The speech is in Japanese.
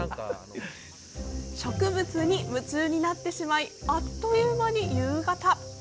植物に夢中になってしまいあっという間に夕方。